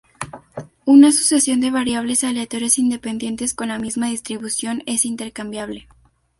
Una sucesión de variables aleatorias independientes con la misma distribución es intercambiable.